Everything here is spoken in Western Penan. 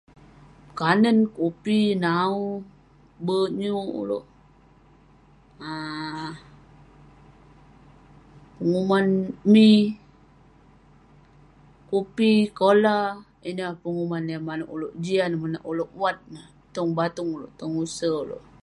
Kanen, kupi, nau, be'nyuk ulouk- um penguman mi, kupi, kola ineh penguman yah manouk ulouk jian. Monak ulouk wat neh, tong batung ulouk, tong use ulouk.